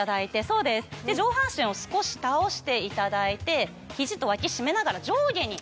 そうですで上半身を少し倒していただいて肘と脇締めながら上下に。